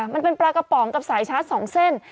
มันเป็นปลากระป๋องกับสายชาร์จ๒เส้น